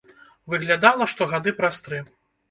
Выглядала, што гады праз тры.